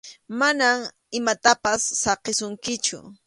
Mana imatapas saqisunkikuchu.